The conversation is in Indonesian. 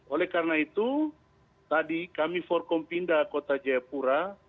oleh karena itu tadi kami forkom pindah kota jayapura